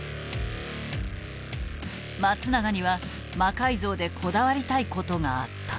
松永には魔改造でこだわりたいことがあった。